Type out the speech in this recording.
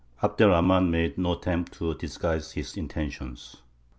Abd er Rahmān made no attempt to disguise his intentions.